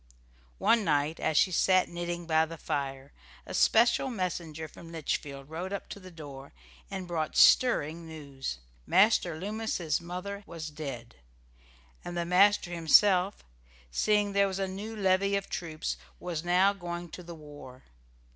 One night, as she sat knitting by the fire, a special messenger from Litchfield rode up to the door and brought stirring news. Master Loomis's mother was dead, and the master himself, seeing there was a new levy of troops, was now going to the war.